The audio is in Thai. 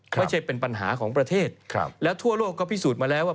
ไม่ใช่เป็นปัญหาของประเทศแล้วทั่วโลกก็พิสูจน์มาแล้วว่า